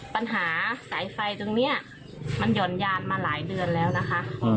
ปัญหาสายไฟตรงนี้มันหย่อนยานมาหลายเดือนแล้วนะคะ